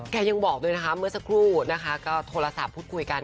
ยังบอกด้วยนะคะเมื่อสักครู่นะคะก็โทรศัพท์พูดคุยกัน